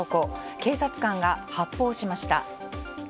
警察官が発砲しました。